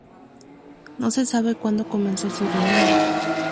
No se sabe cuándo comenzó su reinado.